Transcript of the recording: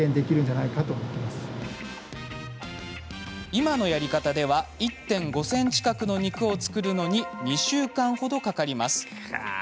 今のやり方では１．５ｃｍ角の肉を作るのに２週間ほどかかります。